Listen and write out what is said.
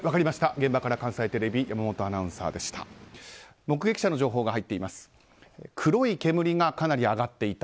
現場から関西テレビ山本アナウンサーでした。